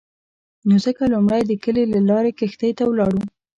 نو ځکه لومړی د کلي له لارې کښتۍ ته ولاړو.